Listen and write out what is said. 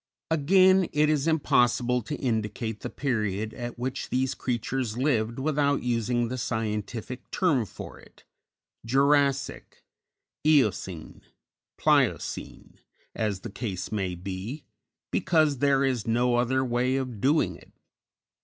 _ _Again, it is impossible to indicate the period at which these creatures lived without using the scientific term for it Jurassic, Eocene, Pliocene, as the case may be because there is no other way of doing it.